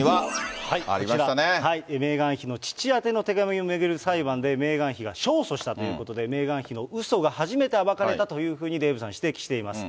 メーガン妃の父宛ての手紙を巡る裁判で、メーガン妃が勝訴したということで、メーガン妃のうそが初めて暴かれたというふうにデーブさん、指摘しています。